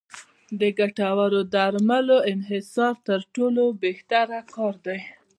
د ګټورو درملو انحصار تر ټولو بهتره کار دی.